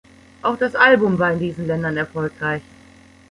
Auch das Album war in diesen Ländern erfolgreich.